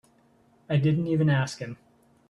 I didn't even ask him.